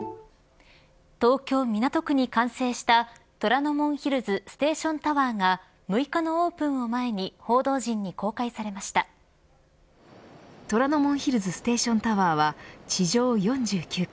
東京・港区に完成した虎ノ門ヒルズステーションタワーが６日のオープンを前に虎ノ門ヒルズステーションタワーは地上４９階